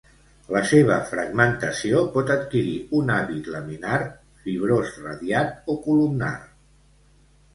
La seva fragmentació pot adquirir un hàbit laminar, fibrós radiat o columnar.